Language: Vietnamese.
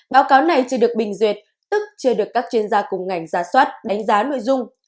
báo cáo này chưa được bình duyệt tức chưa được các chuyên gia cùng ngành giả soát đánh giá nội dung